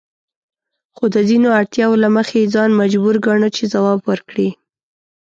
خو د ځینو اړتیاوو له مخې یې ځان مجبور ګاڼه چې ځواب ورکړي.